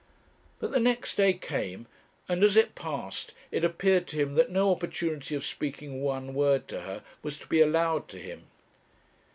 But the next day came, and as it passed, it appeared to him that no opportunity of speaking one word to her was to be allowed to him.